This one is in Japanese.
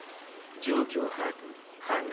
状況把握反応